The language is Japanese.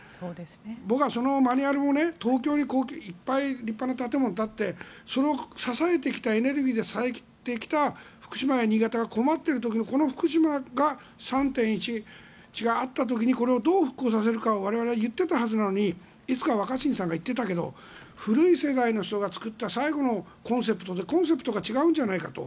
僕はそのマニュアルも、東京にいっぱい立派な建物が建ってその支えてきたエネルギーで割いてきた福島や新潟が困っている時この福島が３・１１があった時にこれをどう復興させるかを我々は言っていたはずなのにいつか若新さんが言っていたけど古い世界の人が作った最後のコンセプトでコンセプトが違うんじゃないかと。